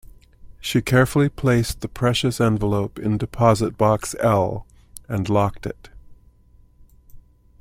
She carefully placed the precious envelope in deposit box L and locked it.